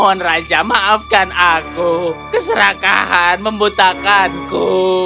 mohon raja maafkan aku keserakahan membutakanku